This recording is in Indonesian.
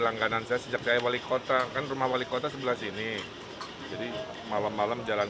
langganan saya sejak saya wali kota kan rumah wali kota sebelah sini jadi malam malam jalan